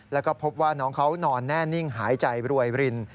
แล้วก็พบว่าน้องเขานอนแน่นิ่งหายใจรวยริน